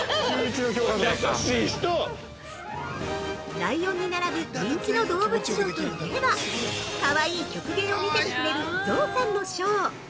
◆ライオンに並ぶ人気の動物ショーといえばかわいい曲芸を見せてくれる象さんのショー！